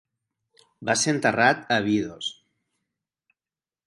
Va ser enterrat a Abidos.